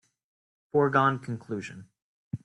Foregone conclusion